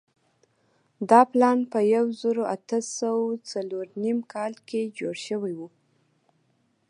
دا پلان په یوه زرو اتو سوو څلور نوېم کال کې جوړ شوی وو.